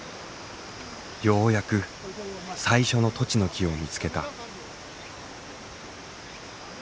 ようやく最初のトチの木を見つけた。